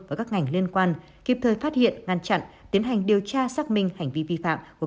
và các ngành liên quan kịp thời phát hiện ngăn chặn tiến hành điều tra xác minh hành vi vi phạm của